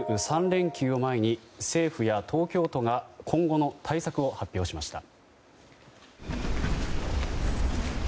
３連休を前に政府や東京都が今後の対策を発表しました。